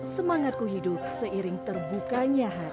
semangat ku hidup seiring terbukanya hari